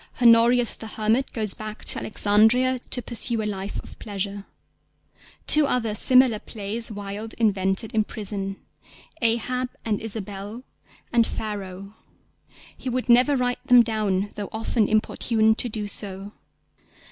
Honorius the hermit goes back to Alexandria to pursue a life of pleasure. Two other similar plays Wilde invented in prison, Ahab and Isabel and Pharaoh; he would never write them down, though often importuned to do so.